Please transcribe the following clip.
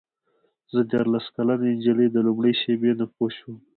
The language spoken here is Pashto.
زه دیارلس کلنه نجلۍ د لومړۍ شېبې نه پوه شوم.